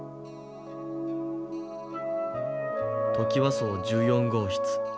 トキワ荘十四号室。